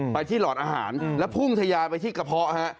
ไปที่หลอดอาหารแล้วพุ่งทะยาไปที่กระเพาะฮะ